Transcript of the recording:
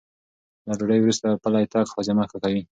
له ډوډۍ وروسته پلی تګ هاضمه ښه کوي.